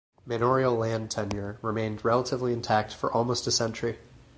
Manorial land tenure remained relatively intact for almost a century.